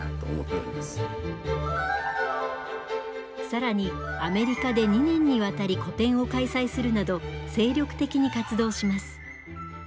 更にアメリカで２年にわたり個展を開催するなど精力的に活動します。